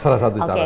salah satu cara